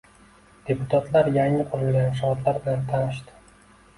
Deputatlar yangi qurilgan inshootlar bilan tanishdi